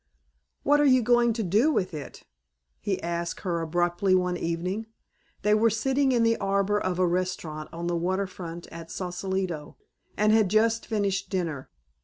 "What are you going to do with it?" he asked her abruptly one evening. They were sitting in the arbor of a restaurant on the water front at Sausalito and had just finished dinner.